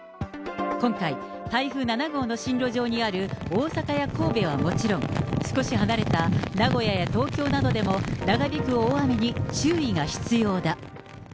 今回、台風７号の進路上にある大阪や神戸はもちろん、少し離れた名古屋や東京などでも、長引く大雨に注意が必要だ。